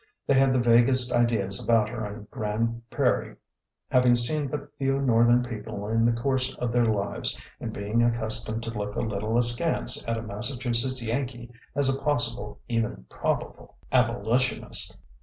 They had the vaguest ideas about her on Grand Prairie, having seen but few Northern people in the course of their lives and being accustomed to look a little askance at a Massachusetts Yankee as a possible, even probable. Abo litionist.